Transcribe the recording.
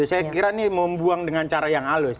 saya kira ini membuang dengan cara yang halus